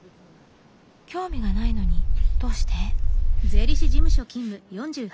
興味がないのにどうして？